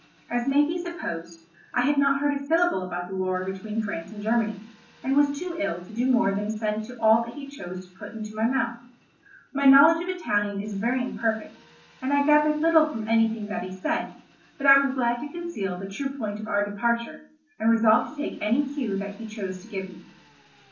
As may be supposed, I had not heard a syllable about the war between France and Germany, and was too ill to do more than assent to all that he chose to put into my mouth. My knowledge of Italian is very imperfect, and I gathered little from anything that he said; but I was glad to conceal the true point of our departure, and resolved to take any cue that he chose to give me.